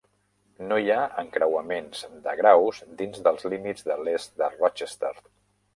No hi ha encreuaments de graus dins dels límits de l'est de Rochester.